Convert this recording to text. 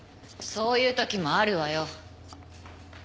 そういう時もあるわよ。